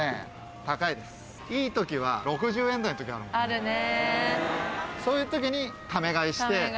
あるね。